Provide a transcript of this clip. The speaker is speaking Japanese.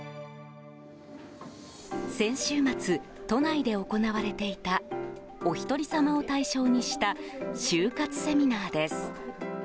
先週末、都内で行われていたおひとり様を対象にした終活セミナーです。